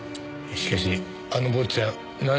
しかしあの坊っちゃん